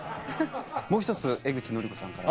もう１つ江口のりこさんから。